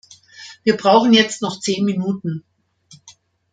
Wir brauchen jetzt noch zehn Minuten.